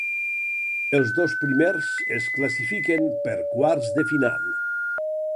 Els dos primers es classifiquen per quarts de final.